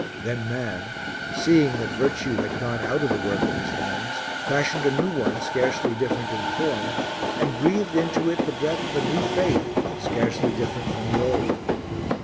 Then man, seeing that virtue had gone out of the work of his hands, fashioned a new one, scarcely different in form, and breathed into it the breath of a new faith, scarcely different from the old.